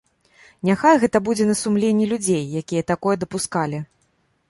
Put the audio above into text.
Няхай гэта будзе на сумленні людзей, якія такое дапускалі.